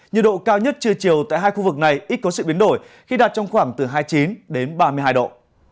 nhiệt độ cao nhất trưa chiều tại hai khu vực này ít có sự biến đổi khi đạt trong khoảng từ hai mươi chín đến ba mươi hai độ